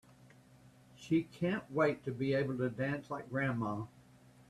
She can't wait to be able to dance like grandma!